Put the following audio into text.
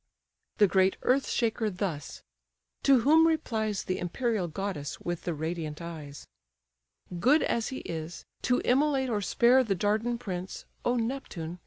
The great earth shaker thus: to whom replies The imperial goddess with the radiant eyes: "Good as he is, to immolate or spare The Dardan prince, O Neptune!